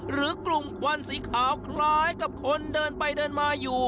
หรือกลุ่มควันสีขาวคล้ายกับคนเดินไปเดินมาอยู่